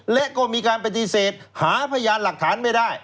และก็มีการปฏิเสธหาพยานหลักฐานไม่ได้